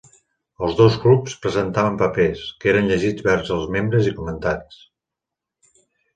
Els dos clubs presentaven papers 'que eren llegits vers els membres i comentats'.